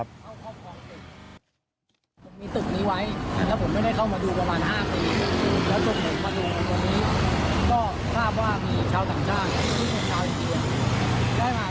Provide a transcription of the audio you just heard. ผมก็เลยเจอชาวอินเดียเจ้าของตัวจริง